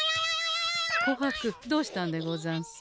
こはくどうしたんでござんす？